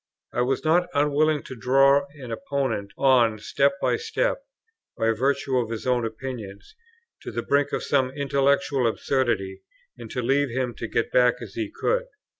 I was not unwilling to draw an opponent on step by step, by virtue of his own opinions, to the brink of some intellectual absurdity, and to leave him to get back as he could.